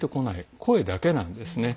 声だけなんですね。